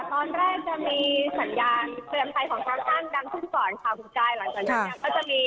ตอนแรกจะมีสัญญาเสริมภายของทางดังทุกศรขาวภูมิใจหลังจากนี้